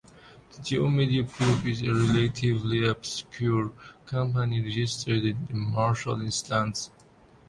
The GeoMedia group is a relatively obscure company registered in the Marshall Islands.